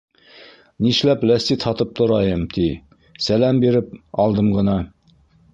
Нишләп ләстит һатып торайым, ти, сәләм биреп, алдым ғына.